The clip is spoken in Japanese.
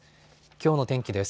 きょうの天気です。